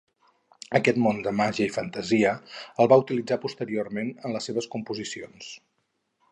Aquest món de màgia i fantasia, el va utilitzar posteriorment en les seves composicions.